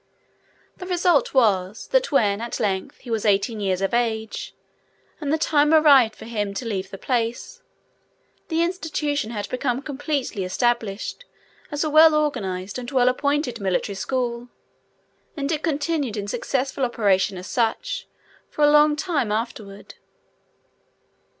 The result was, that when, at length, he was eighteen years of age, and the time arrived for him to leave the place, the institution had become completely established as a well organized and well appointed military school, and it continued in successful operation as such for a long time afterward.